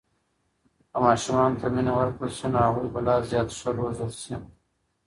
که ماشومانو ته مینه ورکړل سي، نو هغوی به لا زیات ښه روزل سي.